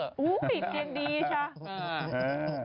หุ้ววววติดจานดีใช่